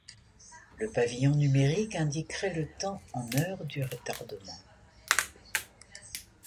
Le pavillon numérique indiquerait le temps en heure du retardement.